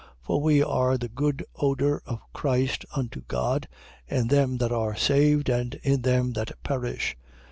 2:15. For we are the good odour of Christ unto God, in them that are saved and in them that perish.